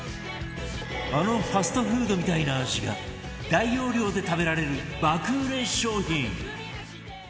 あのファストフードみたいな味が大容量で食べられる爆売れ商品